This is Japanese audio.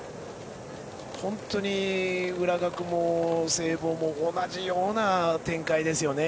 本当に浦学も聖望も同じような展開ですね。